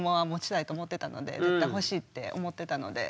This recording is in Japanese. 絶対ほしいって思ってたので。